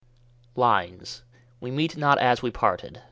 LINES: 'WE MEET NOT AS WE PARTED'.